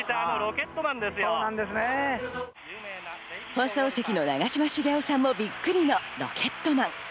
放送席の長嶋茂雄さんもびっくりのロケットマン。